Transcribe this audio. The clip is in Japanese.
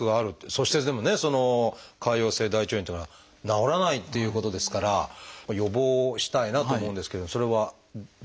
そしてでもね潰瘍性大腸炎っていうのは治らないっていうことですから予防したいなと思うんですけれどもそれはできるものなんでしょうか？